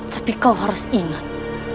tapi kau harus ingat